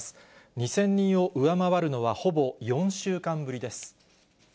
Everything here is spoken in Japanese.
２０００人を上回るのはほぼ４週間ぶりです。